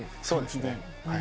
そうですね。